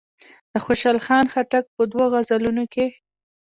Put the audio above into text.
د خوشحال خان خټک په دوو غزلونو کې.